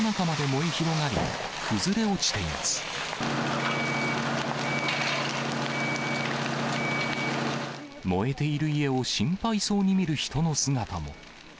燃えている家を心配そうに見る人の姿も。